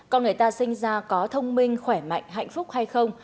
con người ta sinh ra có thông minh khỏe mạnh hạnh phúc hay không